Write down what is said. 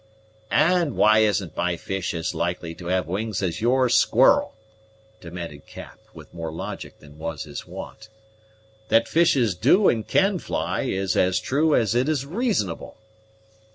"And why isn't my fish as likely to have wings as your squirrel?" demanded Cap, with more logic than was his wont. "That fishes do and can fly is as true as it is reasonable."